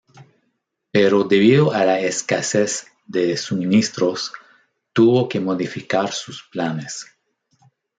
Pero debido a la escasez de suministros, tuvo que modificar sus planes.